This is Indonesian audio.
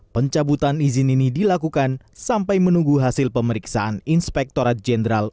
pencabutan izin ini dilakukan sampai menunggu hasil pemeriksaan inspektorat jenderal